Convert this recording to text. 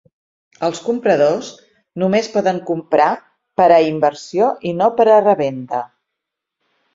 Els compradors només poden comprar per a inversió i no per a revenda.